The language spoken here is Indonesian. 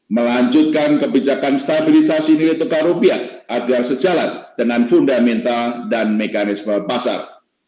melanjutkan kebijakan stabilisasi nilai tukar rupiah agar sejalan dengan fundamental dan mekanisme pasar